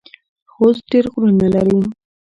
خوست ډیر غرونه لري